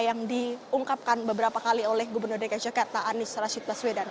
yang diungkapkan beberapa kali oleh gubernur dki jakarta anies rashid baswedan